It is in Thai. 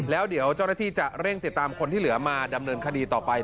แล้วเดี๋ยวเจ้าหน้าที่จะเร่งติดตามคนที่เหลือมาดำเนินคดีต่อไป